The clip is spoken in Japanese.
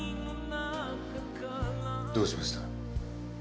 どうしました？